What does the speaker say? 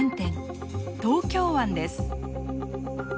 東京湾です。